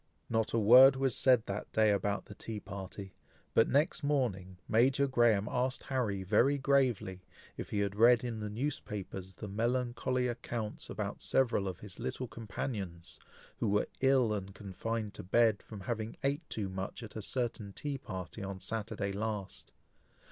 Not a word was said that day about the tea party, but next morning, Major Graham asked Harry, very gravely, "if he had read in the newspapers the melancholy accounts about several of his little companions, who were ill and confined to bed from having ate too much at a certain tea party on Saturday last.